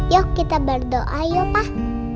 yuk kita berdoa yopah